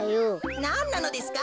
なんなのですか？